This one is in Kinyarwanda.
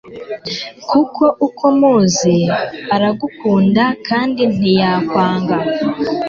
kuko uko muzi aragukunda kandi ntiyakwanga